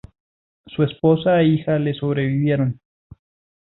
Su esposa e hija le sobrevivieron.